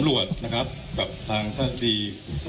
คุณผู้ชมไปฟังผู้ว่ารัฐกาลจังหวัดเชียงรายแถลงตอนนี้ค่ะ